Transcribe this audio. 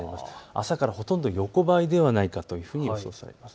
朝からほとんど横ばいではないかというふうに予想されます。